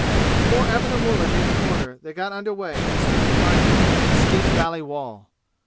Before ever the mullah gave an order they got under way and started climbing the steep valley wall.